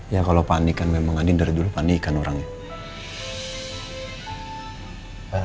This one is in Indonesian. ya kalau panik kan memang adin dari dulu panik kan orangnya